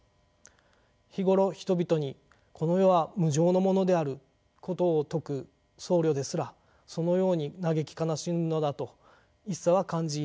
日頃人々にこの世は無常のものであることを説く僧侶ですらそのように嘆き悲しむのだと一茶は感じ入ります。